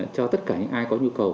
cho tất cả những ai có nhu cầu